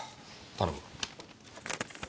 頼む。